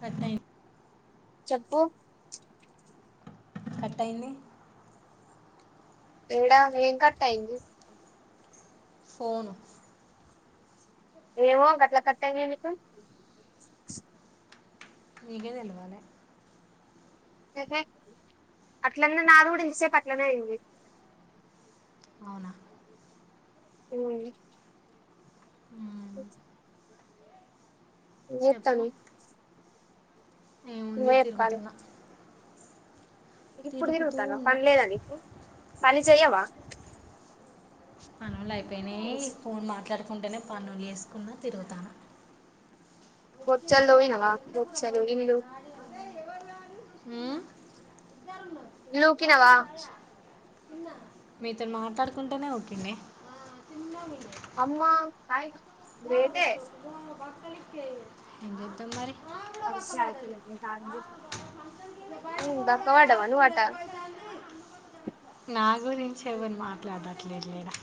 Cut అయింది ఉమ్ కటయ్యింది ఏడా ఏం కట్టయింది ఫోను ఏమో గట్లా కటయింది ఎందుకు నీకే తెలవాల యహే అట్లనే నాది కూడా ఇంతసేపు అట్లనే అయింది అవునా ఉమ్ మ్మ్ చెప్పు వినిపితంది ఏముంది తిరుగుతున్నా ఇప్పుడు తిరుగుతూ తిరుగుతానవ ఉన్నా పని లేద నీకు పని చెయ్యవా పనులు అయిపోయినాయి ఫోన్ మాట్లాడుకుంటేనే పనులు చేసుకున్నా తిరుగుతానా బోచలు తొమినవ బోచలు గిన్నెలు ఉ లూకిినవా మీతో మాట్లాడుకుంటేనే ఓకేనే అమ్మ కాయేట గ్రేట్ ఎత్త మరి [inaudible] బకా వాడవా ను వటా నా గురించి ఏవరు మాట్లాడట్లేదు ఇడా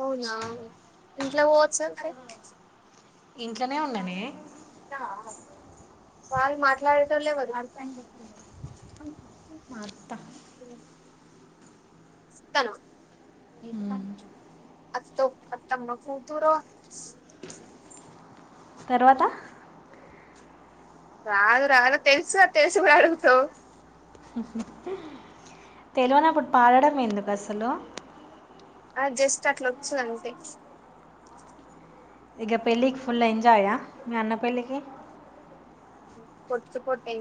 అవునా ఇంట్లో పోవచ మరి ఇంట్లోనే ఉన్నానే వాళ్లు మాట్లాడేటోలు ఎవరు మా అత్త అత్తన మ్మ్ అత్త అత్తమకూతురో తర్వాత రాదు రాదు తెలుసు అ తెలుసు కూడా అడుగుతు తెలవనప్పుడు పాడడం ఎందుకు అసలు జస్ట్ అట్లా వచ్చు అంతే ఇక పెళ్ళికి ఫుల్ ఎంజయా మీ అన్నా పెళ్ళికి పట్తుపోట్టే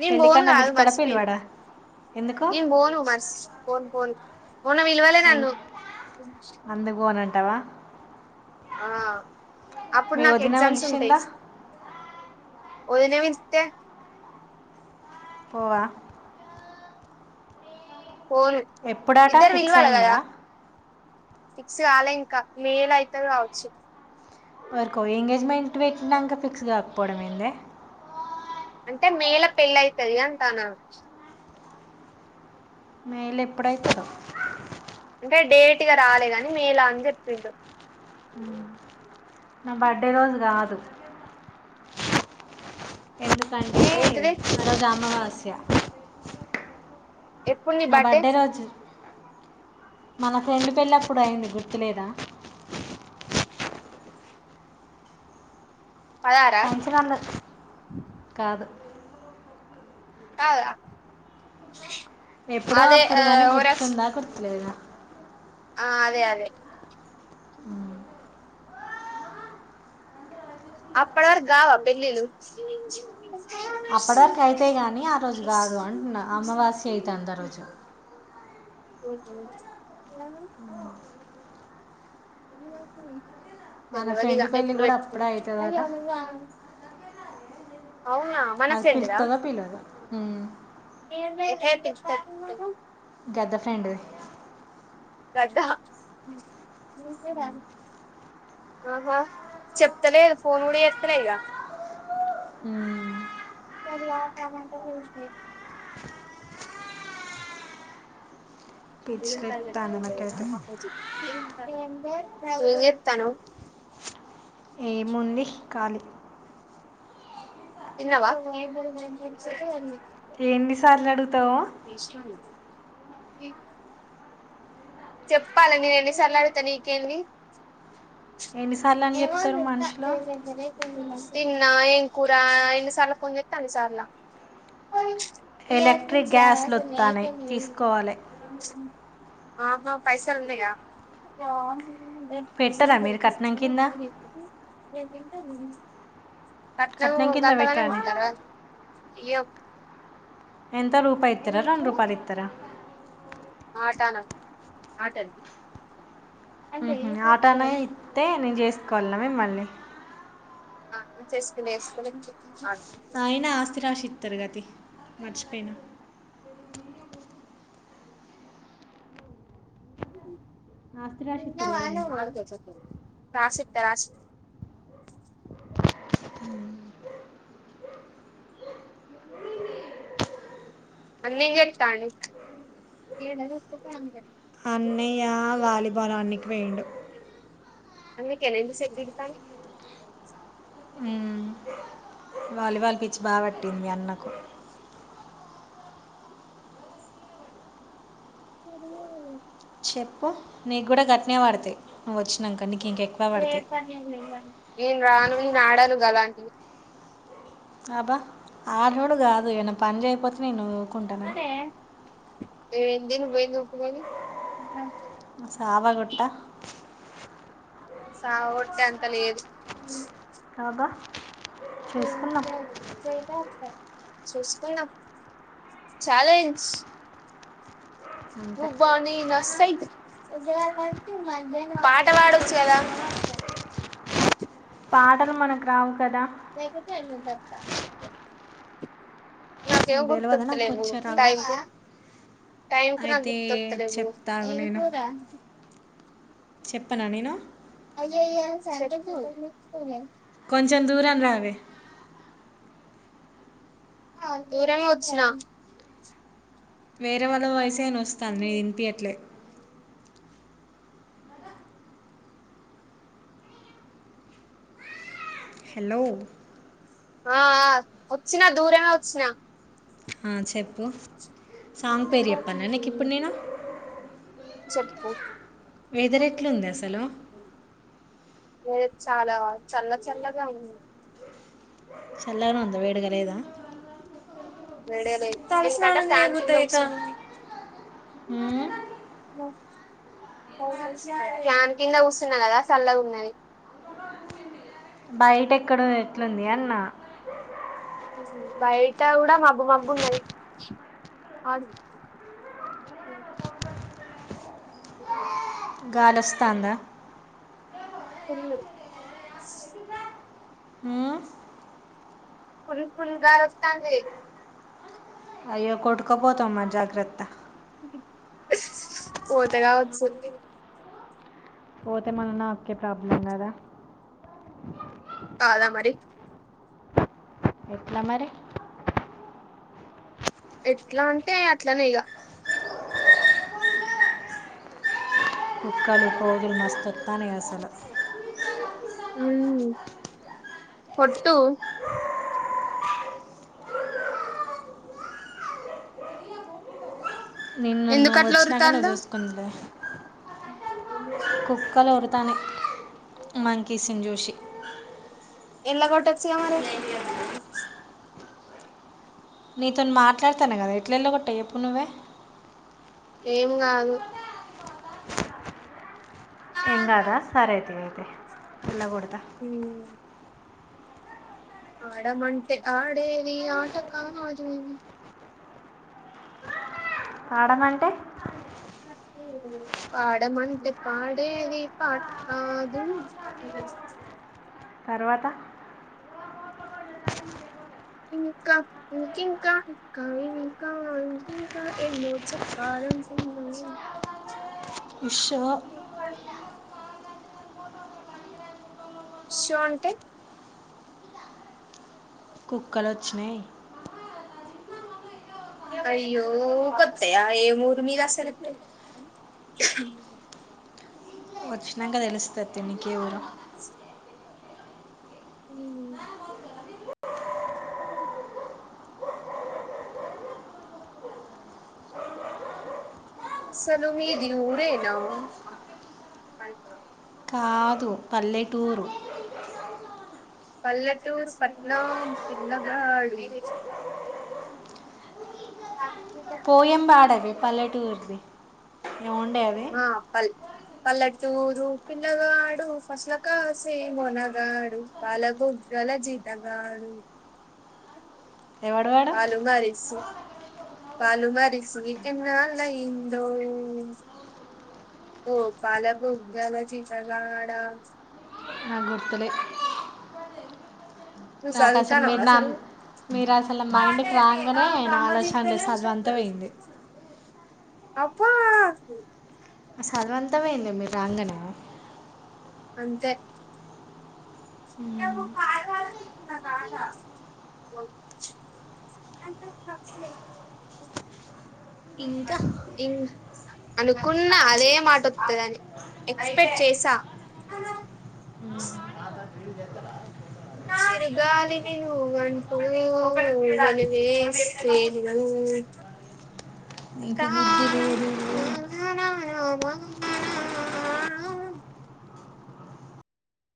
నేను బోను కా పెళ్ళికన్నా కాదు పిలుస్తాడా మర్చిపోయిను పిలవాడా ఎందుకు నేను బోను బస్ బోను బోను ఎం అందుకు పోనంటావా ఆ అప్పుడు నాకు ఎగ్జామ్స్ ఉంటాయి పిలిచిందా వదినేమిస్తే పోవా పోను ఎప్పుడాట ఇద్దరు ఫిక్స్ పిల్వాల కద అయిందా ఫిక్స్ కాలే ఇంకా మేలో అయితారు కావచ్చు వరకో ఎంగేజ్మెంట్ పెట్టినాక ఫిక్స్ కాకపోవడం ఏందే అంటే మేలో పెళ్ళయితది అంటానా మేలో ఎప్పుడయితది అంటే డేట్ ఇగా రాలేదు అన్ని మేలో అని చెప్పిళు నా బర్డే రోజు కాదు ఎందుకంటే ఏంటిది ఆ రోజు అమావాస్య ఎప్పుడు నీ నా బర్త్డే బర్డే రోజు మన ఫ్రెండ్ పెళ్ళిప్పుడు అయింది గుర్తులేదా పదారా పెన్షన్ అంద కాదు రాలేదా ఎప్పుడు అప్పుడు కాని గుర్తుందా గుర్తులేదా ఆ అదే అదే అప్పుడ వరగ్గావ పెల్లిల్లు అప్పటివరకు అయితయిగాని ఆ రోజు గాదు అంటున్నా అమ్మవాస్య అయితాంది ఆరోజు మన తెల్వదిగ ఫ్రెండ్ పెళ్ళి ఎప్పుడు కూడా పెట్ అప్పుడే అవుతుందట అది ఫ్రెండ్ పిల్ దా త్తదా పిలదా హ్మ్ ఎహే పిచ్చ పెద్ద ఫెండు పెద్ద ఆహా చెప్తలేదు ఫోన్ కూడా చెస్తలే ఇక చది వా టమాట ఉంది పిచ్చలేస్తాను ఇరుంతానా నాకైతే మాకుచి ఏం చెత్తన్నావ్ ఏముండి ఖాలి తిన్నవా తి ఎన్ని సార్లడుగుతావ్ ఇ చెప్పాలె నేను ఎన్నిసార్లు అడుగుతే నీకేంది ఎన్నిసార్లు అని చెప్తారు ఏమనుస్తా మనుషులు తెదర తిన్నా ఏం కూరా ఎన్ని సార్ల ఫోన్ చెత్తా అన్ని సార్లా ఎలక్ట్రిక్ గ్యాస్లు వస్తాయి ఇంచిసక తీసుకోవాలి ఆహా పైసలున్నాయ పెట్టరా మీరు కట్నం కింద చక్కగ కట్నం కింద ఒగ్గంట గానే పెట్టరానే ఊపుతార అయ్యో ఎంత రూపాయిత్తరా రెండ్ రూపాలిత్తర ఆటన ఆట ఇది ఉహు ఆటనే ఇత్తె నేను చేసుకోవాల్నా మిమ్మల్ని ఆ అక్క చేసుకొనే [inaudible] పైన ఆస్తి రాసిత్తారు కది మర్చిపోయిన ఆస్తి రాసి ఇస్తారు కదనే రాసి తరాస్ హు మళ్ళీ చెప్తా నిక్ అన్నయా వాలిబాల్ ఆన్నికి పోయిండు అందుకేనా ఇంత సేపు దిగుతాని మ్మ్. వాలీబాల్ పిచ్చి బాపట్టింది మీ అన్నకు సరి చెప్పు నీక్కూడా గట్నే వడతాయి నువ్ వచ్చినాక నీకు ఇంకెక్కువ పడతాయి నేను రాను నేనాడను గలాంటివి అబ్బా ఆర్రోలు కాదు ఏన్న పని చేయపోతే నేను ఊకుంటానా ఏం తిని పోయింది ఊపుకొని సావగుట్ట సావగొట్టేంత లేదు కాదా సట వ చూసుకుందాం ఛాలెంజ్ అంతే నువ్వా నేనా సైద్ పాట పడొచ్చు కదా పాటలు మనకు రావు కదా తకు చ త [unintelligible] నాకు ఏం నీకు తెలియదు నాకు గుర్తువస్తలేవు వచ్చా రావా టైమ్ కి టైమ్కు నాకు అయితే గుర్తొత్తలేవు చెప్తాను నేను చెప్పనా నేను చెప్పు కొంచెం దూరం రావే దూరమే వచ్చిన వేరే వాళ్ళ వాయిస్ ఏ వినొస్తంది, నిది వినిపియ్యట్లే హలో అహ్ హా వచ్చిన దూర మే వచ్చిన అహ్ చెప్పు సాంగ్ పేరు చెప్పాన నీకు ఇప్పుడు నేను చెప్పు వెదర్ ఎట్లుంది అసలు నేను చాలా చల్ల చల్లగా ఉంది చల్లగానే ఉందా వేడిగా లేదా వేడిగా లేదు మ్మ్. [inaudible] ఫ్యాన్ కింద కూసున్న కదా సల్లగా ఉన్నది బయట ఎక్కడ ఎట్లుంది అన్నా బయట కూడా మబ్బు మబ్బు ఉన్నది హ [inaudible] ఏ గాలి వస్తుందా సర [unintelligible] మ్మ్. ఫుల్ ఫుల్ గా వస్తుంది అయ్యో కొట్టుకో పోతావు మరి జాగ్రత్త పోతే కావచ్చ పోతే మరి నాకే ప్రాబ్లమ్ కదా కాదా మరి ఎట్లా మరి ఎట్లా అంటే అట్లనే ఇగ కుక్కలు కోజులు మస్తస్తాను అసలు [unintelligible] ఉమ్ కొట్టు నిన్ను ఎందుకు నువ్వు అట్లా వచ్చినాక నువ్వు ఒర్రుతాళ్ళు చూసుకుందువులే కుక్కలు ఓ రుతున్నాయి మంకీస్ నీ చూసి ఎల్లగొట్టొచుగా మరి నీతోను మాట్లాడతాను కదా ఎట్ల వెళ్ళ కొట్టా ఎప్పుడు నువ్వే ఏం కాదు ఏమీకాదా సరేథీ ఓకే ఎల్లకొట్డా హమ్ ఆడా మంటే ఆడేది ఆట కాదు అని పాడమంటే పాడమంటే పడేది పాట కాదు తర్వాత ఇంకా ఇ ఇంకా ఇంకా ఇంకా ఇం ఇంకా ఎన్నో చెప్పాలి మ [unintelligible] [unintelligible] ఉష్ణో అంటే కుక్కలచ్చినాయి అయ్యో ఊకొత్తయా ఏం ఊరు మీది అసలుకి వచ్చినంక తెలుస్తది తీ నీకేే ఊరో ఊ సలు మీది ఊరేనా కాదు పల్లెటూరు పల్లెటూరు పట్నాం పిల్లగాడు పోయం పాడవే పల్లెటూర్ ది ఆ పల్ పల్లెటూరు పిల్లగాడు ఫస్ల కాసే మొనగాడు పాలబు గ్గల జీతగాడు ఎవడు వాడు పాలు మరిసు పాలు మరిసి ఎన్నాళ్ళయ్యిందో ఓ పాలబుగ్గల జీతగాడా వినొత్తలే నువ్వు నాకు అసలు చదువుతానవా మీరు నా మీరు అసలు మైండ్కి రాంగ్నే నా ఆలోచన లేదు చద్వంతా పోయింది అబ్బా నా సదువు అంతా పోయిందే మీరు రాంగనే అంతే హ్మ్ ఇంకా ఇం అనుకున్న అదే మాట వస్తదని ఎక్స్పెక్ట్ చేసా గాలివి నువ్వు అంటు వల వేసేను నీకు బుద్ధి లేదు [unintelligible]